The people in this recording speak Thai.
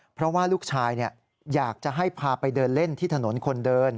เพราะว่าลูกชายอยากจะให้พาไปเดินเล่นที่ถนนคนเดิน